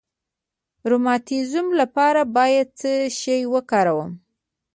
د روماتیزم لپاره باید څه شی وکاروم؟